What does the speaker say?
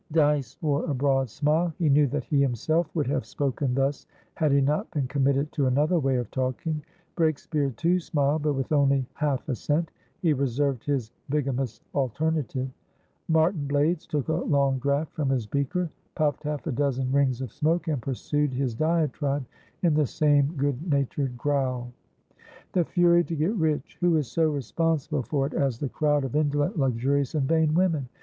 Dyce wore a broad smile. He knew that he himself would have spoken thus had he not been committed to another way of talking. Breakspeare, too, smiled, but with only half assent; he reserved his bigamous alternative. Martin Blaydes took a long draught from his beaker, puffed half a dozen rings of smoke, and pursued his diatribe in the same good natured growl. "The fury to get richwho is so responsible for it as the crowd of indolent, luxurious and vain women?